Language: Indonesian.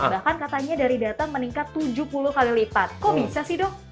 bahkan katanya dari data meningkat tujuh puluh kali lipat kok bisa sih dok